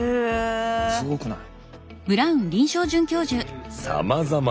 すごくない？